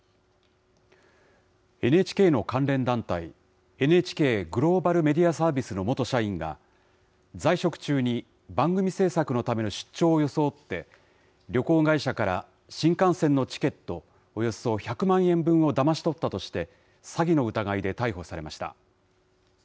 ＮＨＫの関連団体、ＮＨＫグローバルメディアサービスの元社員が、在職中に番組制作のための出張を装って、旅行会社から新幹線のチケットおよそ１００万円分をだまし取ったとして、詐欺の疑いで逮捕されました。